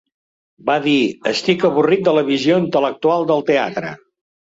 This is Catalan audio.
Va dir: "Estic avorrit de la visió intel·lectual del teatre".